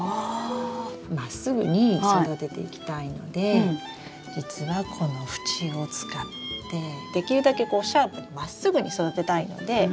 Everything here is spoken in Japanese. まっすぐに育てていきたいので実はこの縁を使ってできるだけシャープにまっすぐに育てたいので。